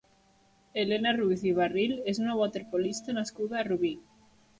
Elena Ruiz i Barril és una waterpolista nascuda a Rubí.